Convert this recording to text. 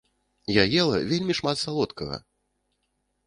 Я ела вельмі шмат салодкага!